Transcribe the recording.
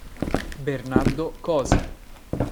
Bernardo Cos